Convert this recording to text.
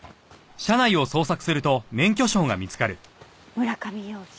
「村上洋二」。